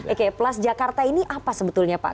oke plus jakarta ini apa sebetulnya pak